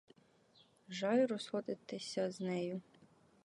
Жаль розходитися з нею.